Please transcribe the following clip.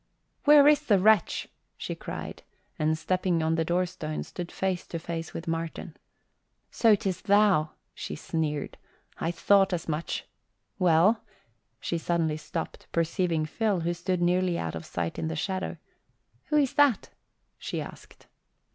"Where is the wretch," she cried, and stepping on the doorstone, stood face to face with Martin. "So, 'tis thou," she sneered. "I thought as much. Well " she suddenly stopped, perceiving Phil, who stood nearly out of sight in the shadow. "Who is that?" she asked.